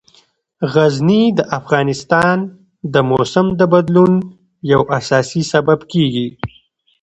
غزني د افغانستان د موسم د بدلون یو اساسي سبب کېږي.